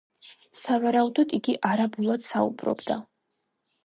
სავარაუდოდ, იგი არაბულად საუბრობდა.